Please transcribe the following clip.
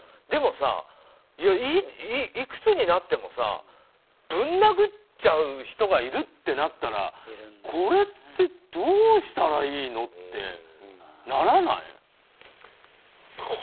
でもさ、いくつになってもぶん殴っちゃう人がいるってなったらこれってどうしたらいいのってならない？